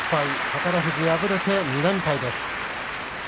宝富士、敗れて２連敗です。